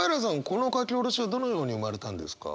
この書き下ろしはどのように生まれたんですか？